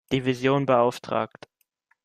Division beauftragt.